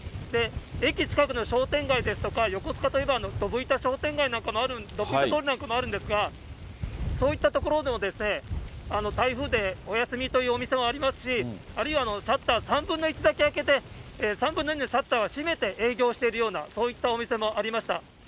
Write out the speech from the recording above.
駅近くの商店街ですとか、横須賀といえば、どぶいた通りなんかもあるんですが、そういった所でも台風でお休みというお店もありますし、あるいはシャッター３分の１だけ開けて、３分の２のシャッターは閉めて営業しているような、そういったお店もありました。